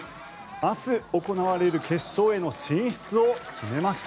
明日、行われる決勝への進出を決めました。